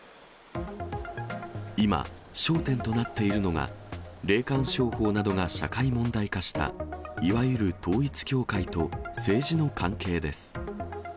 今、焦点となっているのが、霊感商法などが社会問題化した、いわゆる統一教会と政治の関係です。